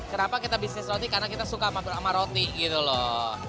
kenapa kita bisnis roti karena kita suka mampir sama roti gitu loh